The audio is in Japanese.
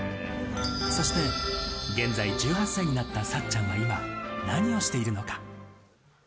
そして現在１８歳になったさっちゃんは今、何をしているのか。